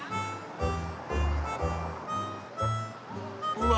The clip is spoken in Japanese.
うわ！